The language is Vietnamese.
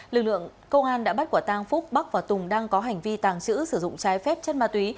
lực lượng công an đã bắt quả tang phúc bắc và tùng đang có hành vi tàng trữ sử dụng trái phép chất ma túy